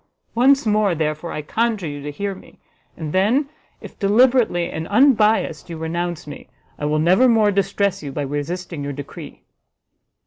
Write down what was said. Once more, therefore, I conjure you to hear me, and then if, deliberately and unbiassed, you renounce me, I will never more distress you by resisting your decree."